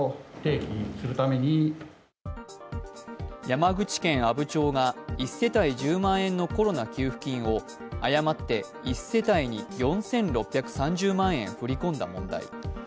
山口県阿武町が１世帯１０万円のコロナ給付金を誤って１世帯に４６３０万円振り込んだ問題。